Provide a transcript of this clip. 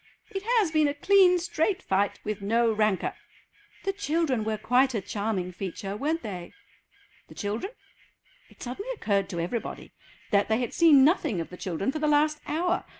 "It has been a clean straight fight, with no rancour." "The children were quite a charming feature, weren't they?" The children? It suddenly occurred to everybody that they had seen nothing of the children for the last hour.